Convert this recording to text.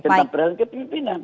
tentang peran kepimpinan